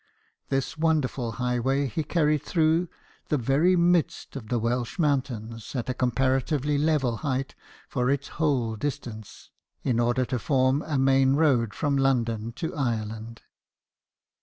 This wonderful highway he carried through the very midst of the Welsh mountains, at a comparatively level height for its whole distance, in order to form a main road from London to Ireland.